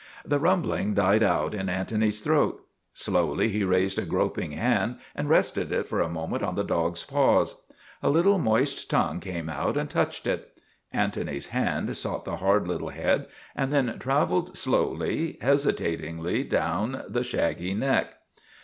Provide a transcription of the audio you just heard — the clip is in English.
The rumbling died out in Antony's throat. Slowly he raised a groping hand and rested it for a moment on the dog's paws. A little moist tongue came out and touched it. Antony's hand sought the hard little head and then traveled slowly, hesi tatingly down the shaggy neck.